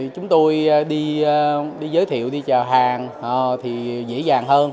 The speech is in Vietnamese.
chúng tôi đi giới thiệu đi chợ hàng thì dễ dàng hơn